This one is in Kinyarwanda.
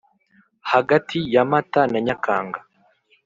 hagati ya mata na nyakanga